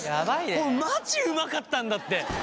俺マジうまかったんだって。